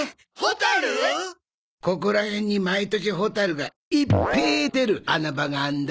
ここら辺に毎年ホタルがいっぺえ出る穴場があんだ。